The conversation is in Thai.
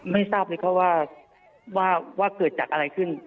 ทราบเลยครับว่าเกิดจากอะไรขึ้น